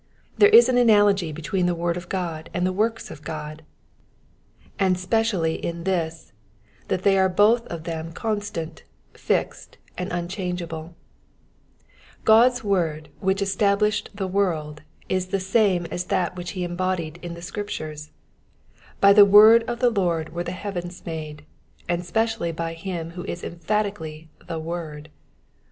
There is an analogy between the wot4 of God and the works of God, and Digitized by VjOOQIC 214 SXPOSmOKS OV THS P8JLL]1& •peciallf in this, that they are both of them conBtant, fixed, and im cbangeable. God*8 word which established the world is the same as that whicb he has embodied in the Scriptnres ; by the word of the Lord were the heavens made, and specially by him who is emphatically ths wosn.